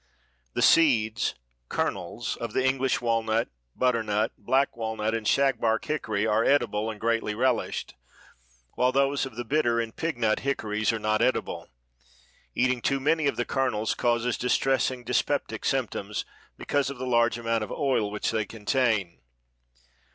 The seeds (kernels) of the English walnut, butternut, black walnut and shagbark hickory are edible and greatly relished, while those of the bitter and pignut hickories are not edible. Eating too many of the kernels causes distressing dyspeptic symptoms because of the large amount of oil which they contain.